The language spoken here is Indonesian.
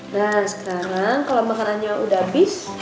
nah sekarang kalo makanannya udah abis